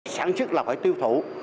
sản xuất là phải tiêu thụ